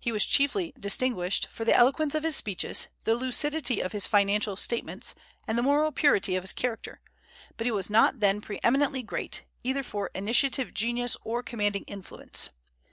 He was chiefly distinguished for the eloquence of his speeches, the lucidity of his financial statements, and the moral purity of his character; but he was not then pre eminently great, either for initiative genius or commanding influence.